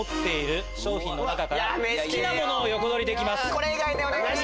これ以外でお願いします。